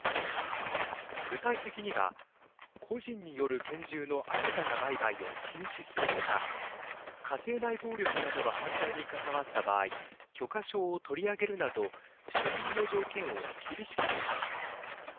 具体的には個人による拳銃の新たな売買を禁止するほか家庭内暴力などの犯罪に関わった場合許可証を取り上げるなど所有の条件を厳しくします。